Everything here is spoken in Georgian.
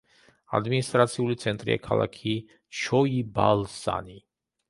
ადმინისტრაციული ცენტრია ქალაქი ჩოიბალსანი.